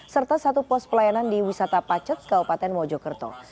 serta satu pos pelayanan di wisata pacet kabupaten mojokerto